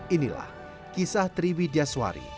inilah kisah triwi diaswari